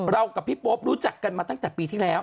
กับพี่โป๊ปรู้จักกันมาตั้งแต่ปีที่แล้ว